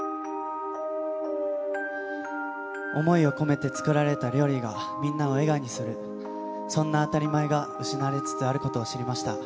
想いを込めて作られた料理が、みんなを笑顔にする、そんな当たり前が失われつつあることを知りました。